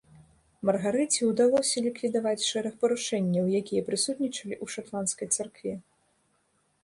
Маргарыце ўдалося ліквідаваць шэраг парушэнняў, якія прысутнічалі ў шатландскай царкве.